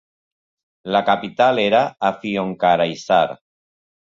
La capital era Afyonkarahisar.